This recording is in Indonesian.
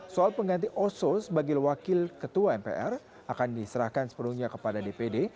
soal pengganti oso sebagai wakil ketua mpr akan diserahkan sepenuhnya kepada dpd